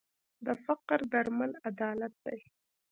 د فقر درمل عدالت دی.